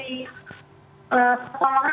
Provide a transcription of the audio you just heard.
kita harus mengetahui